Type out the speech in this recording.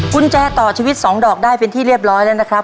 กุญแจต่อชีวิต๒ดอกได้เป็นที่เรียบร้อยแล้วนะครับ